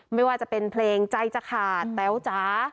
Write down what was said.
ไม่ว่าจะเป็นเพลงใจจะขาดแต๋วจ๋า